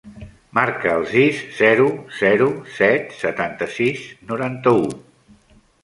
Marca el sis, zero, zero, set, setanta-sis, noranta-u.